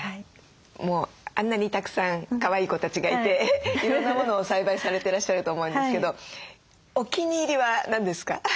もうあんなにたくさんかわいい子たちがいていろんなものを栽培されてらっしゃると思うんですけどお気に入りは何ですか？